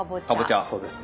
そうです。